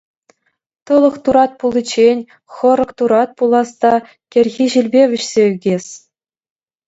Тӑлӑх турат пуличчен хӑрӑк турат пулас та кӗрхи ҫилпе вӗҫсе ӳкес.